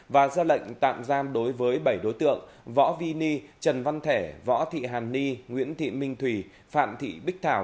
và ra lệnh tạm giam đối với bảy đối tượng võ vy ni trần văn thẻ võ thị hàn ni nguyễn thị minh thùy phạm thị bích thảo